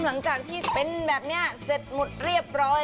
หลังจากที่เป็นแบบนี้เสร็จหมดเรียบร้อย